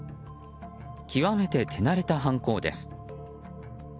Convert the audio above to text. きわめて手慣れた犯行です。